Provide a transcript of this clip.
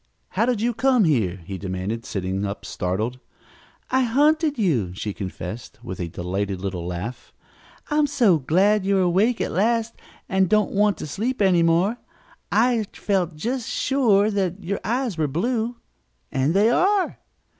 "How did you come here?" he demanded, sitting up, startled. "I hunted you," she confessed with a delighted little laugh. "I'm so glad you're awake at last and don't want to sleep any more. I felt just sure that your eyes were blue. And they are!"